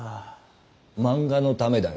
漫画のためだよ。